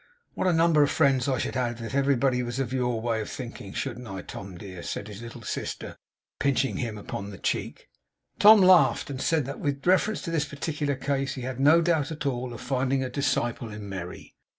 'What a number of friends I should have, if everybody was of your way of thinking. Shouldn't I, Tom, dear?' said his little sister pinching him upon the cheek. Tom laughed, and said that with reference to this particular case he had no doubt at all of finding a disciple in Merry.